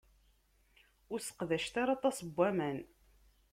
Ur sseqdacet ara aṭas n waman.